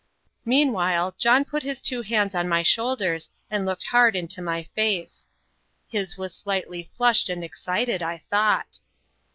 Meanwhile, John put his two hands on my shoulders, and looked hard into my face his was slightly flushed and excited, I thought.